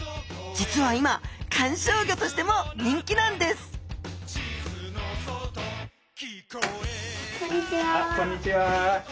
実は今観賞魚としても人気なんですこんにちは。